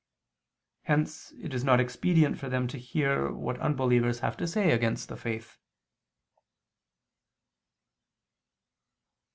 Hence it is not expedient for them to hear what unbelievers have to say against the faith.